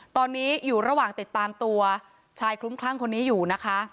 ตอนนี้อยู่ระหว่างติดตามตัวชายคลุ้มคลั่งคนนี้อยู่นะคะ